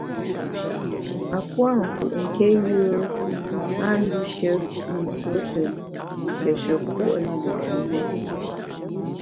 A pua’ mfù’ nké yùe a mbishe yi nsuo te nshieshe puo’ li mgbom me.